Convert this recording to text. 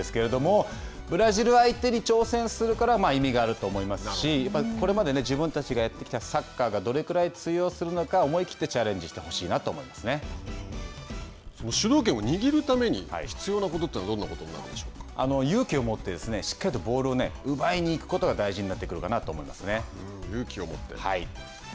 ブルジル相手に挑戦するから意味があると思いますしやっぱりこれまで自分たちがやってきたサッカーがどれぐらい通用するか思い切ってチャレンジしてほしい主導権を握るため必要なことは勇気を持ってしっかりとボールを奪いにいくことが大事になってくるかなと思い勇気を持って？